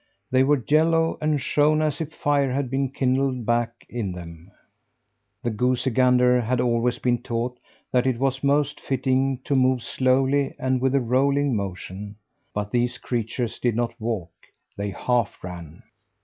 They were yellow, and shone as if a fire had been kindled back of them. The goosey gander had always been taught that it was most fitting to move slowly and with a rolling motion, but these creatures did not walk they half ran.